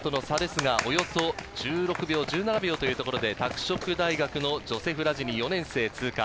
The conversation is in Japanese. その差ですが、およそ１６秒、１７秒というところで拓殖大学のジョセフ・ラジニ、４年生が通過。